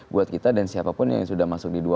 buat kita dan siapapun yang sudah masuk di dua ribu